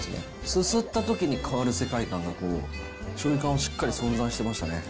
すすったときに変わる世界観が、しょうゆ感しっかり存在してましたね。